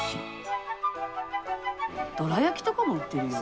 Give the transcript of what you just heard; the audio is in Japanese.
どら焼きとかも売ってるよ。